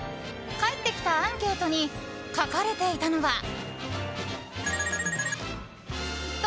返ってきたアンケートに書かれていたのは。